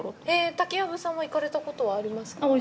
竹やぶさんは行かれたことはありますか？